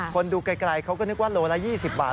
คนดูไกลเขาก็นึกว่าโลละ๒๐บาท